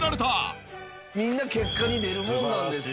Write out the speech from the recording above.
みんな結果に出るもんなんですね。